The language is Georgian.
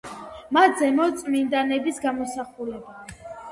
მათ ზემოთ წმინდანების გამოსახულებაა.